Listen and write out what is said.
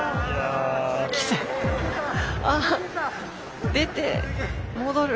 あ出て戻る。